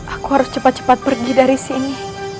aku harus cepat cepat pergi dari sini